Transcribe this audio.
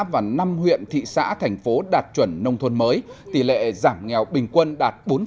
và năm huyện thị xã thành phố đạt chuẩn nông thôn mới tỷ lệ giảm nghèo bình quân đạt bốn năm